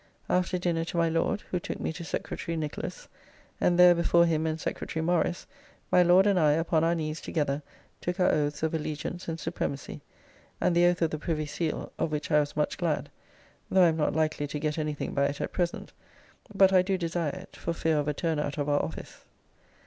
After dinner to my Lord, who took me to Secretary Nicholas, and there before him and Secretary Morris, my Lord and I upon our knees together took our oaths of Allegiance and Supremacy; and the Oath of the Privy Seal, of which I was much glad, though I am not likely to get anything by it at present; but I do desire it, for fear of a turn out of our office.